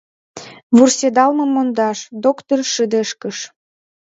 — Вурседалмым мондаш! — доктыр шыдешкыш.